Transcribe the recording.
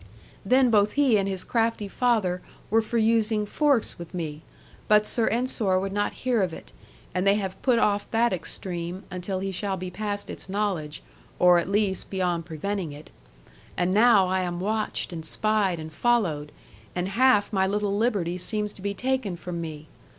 Then both he and his crafty father were for using force with me; but Sir Ensor would not hear of it; and they have put off that extreme until he shall be past its knowledge, or, at least, beyond preventing it. And now I am watched, and spied, and followed, and half my little liberty seems to be taken from me.